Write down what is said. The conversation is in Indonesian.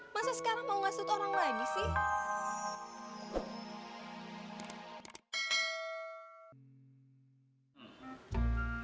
masa sekarang mau masuk orang lagi sih